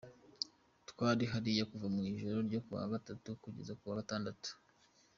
Twari hariya kuva mu ijoro ryo ku wa Gatatu kugeza ku wa Gatandatu.